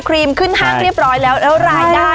รายได้